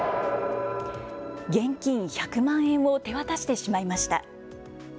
現金１００万円を手渡してしまいました。